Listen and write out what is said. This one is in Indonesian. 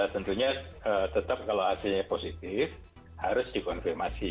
tentunya tetap kalau ac nya positif harus dikonfirmasi